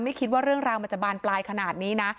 คิดว่าเรื่องราวมันจะบานปลายขนาดนี้นะ